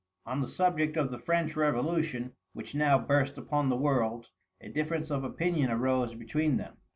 On the subject of the French revolution, which now burst upon the world, a difference of opinion arose between them.